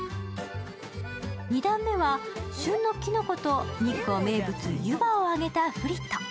２段目は旬のきのこと日光名物、湯葉を揚げたフリット。